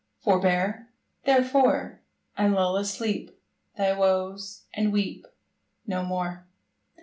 Forbear, therefore, And lull asleep Thy woes, and weep No more.